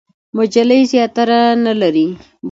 مجلې زیاتره نه لري.